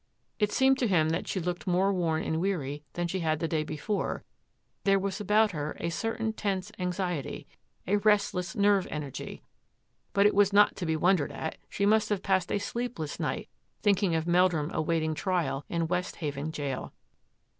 It seemed to him that she looked more worn and weary than she had the day before ; there was about her a certain tense anxiety, a restless nerve energy; but it was not to be wondered at, — she must have passed a sleepless night thinking of Meldrum awaiting trial in Westhaven jail.